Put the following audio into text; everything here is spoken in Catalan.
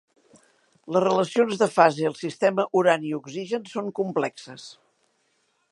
Les relacions de fase al sistema urani-oxigen són complexes.